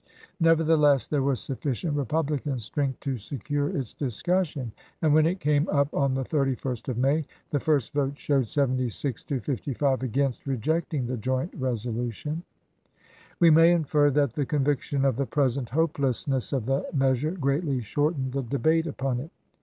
Nevertheless there was sufficient Republican strength to secure its discussion ; and when it came up on the 31st of May the first vote showed "Globe," seventy six to fifty five against rejecting the Joint mCl. 2612. Resolution. We may infer that the conviction of the present hopelessness of the measure greatly shortened the debate upon it.